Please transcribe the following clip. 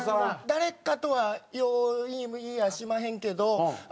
誰かとはよう言いやしまへんけど。